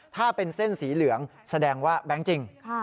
ถ้าเป็นเส้นสีเหลืองแสดงว่าแบงค์จริง